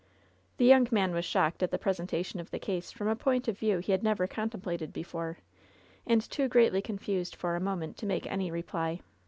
The young man was shocked at the presentation of the case from a point of view he had never contemplated before, and too greatly confused for a moment to make any reply.